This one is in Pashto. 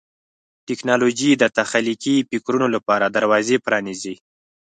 ټیکنالوژي د تخلیقي فکرونو لپاره دروازې پرانیزي.